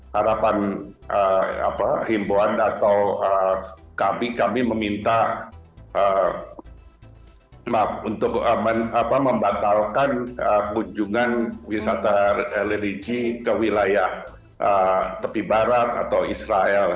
harapan himboan atau kami meminta maaf untuk membatalkan kunjungan wisata religi ke wilayah tepi barat atau israel